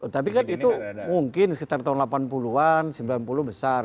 tapi kan itu mungkin sekitar tahun delapan puluh an sembilan puluh besar